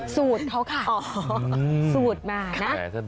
สูตรเขาค่ะสูตรมานะ